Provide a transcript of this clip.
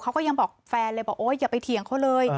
เขาก็ยังบอกแฟนเลยอย่าไปเถียงเขาเลย